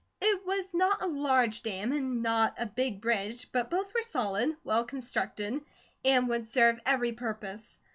It was not a large dam, and not a big bridge, but both were solid, well constructed, and would serve every purpose.